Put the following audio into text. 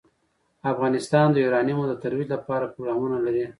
افغانستان د یورانیم د ترویج لپاره پروګرامونه لري.